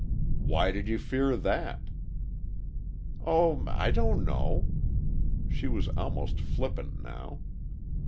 "Why did you fear that?" "Oh, I don't know." She was almost flippant now.